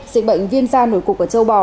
dịch bệnh viêm da nổi cục ở châu bò